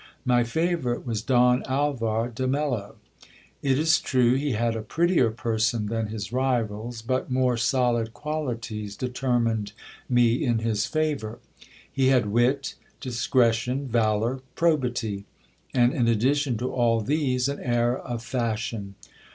My favourite was var de Mello. It is true he had a prettier person than his rivals ; but GIL BLAS. more solid qualities determined me in his favour. He had wit, discretion, valour, probity ; and in addition to all these, an air of fashion.